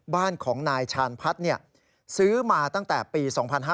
บ้านของนายชาญพัฒน์ซื้อมาตั้งแต่ปี๒๕๕๙